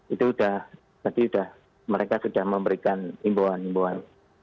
itu sudah jadi sudah mereka sudah memberikan himbawan himbawan